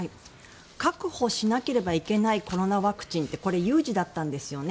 確保しなければいけないコロナワクチンってこれ、有事だったんですよね。